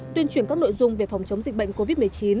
tuyên truyền các nội dung về phòng chống dịch bệnh covid một mươi chín